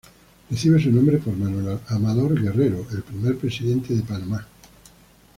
Recibe su nombre por Manuel Amador Guerrero, el primer presidente de Panamá.